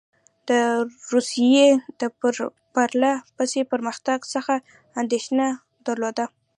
ده د روسیې د پرله پسې پرمختګ څخه اندېښنه درلوده.